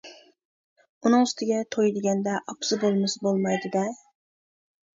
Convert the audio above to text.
ئۇنىڭ ئۈستىگە توي دېگەندە ئاپىسى بولمىسا بولمايدۇ-دە.